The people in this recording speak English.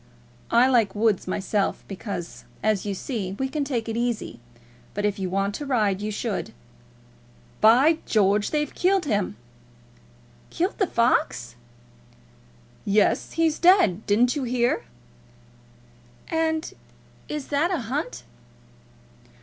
I like woods myself, because, as you say, we can take it easy; but if you want to ride, you should By George, they've killed him!" "Killed the fox?" "Yes; he's dead. Didn't you hear?" "And is that a hunt?"